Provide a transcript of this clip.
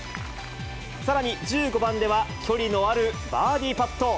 さらに１５番では、距離のあるバーディーパット。